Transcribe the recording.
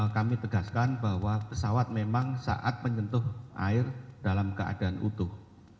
kami tegaskan bahwa pesawat memang saat menyentuh air dalam keadaan utuh